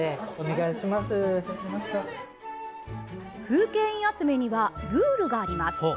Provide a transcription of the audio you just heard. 風景印集めにはルールがあります。